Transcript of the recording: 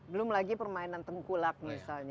belum lagi permainan tengkulak misalnya